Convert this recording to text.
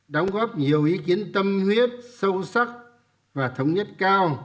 đóng góp nhiều ý kiến tâm huyết sâu sắc và thống nhất cao